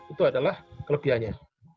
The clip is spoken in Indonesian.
itu adalah kelebihannya